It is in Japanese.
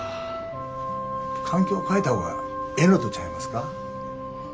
環境変えた方がええのとちゃいますか？